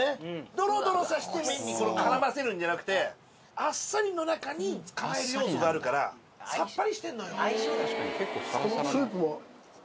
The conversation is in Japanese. ドロドロさせて麺にからませるんじゃなくてあっさりの中に捕まえる要素があるからさっぱりしてんのよ。